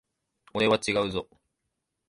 俺は違うぞ。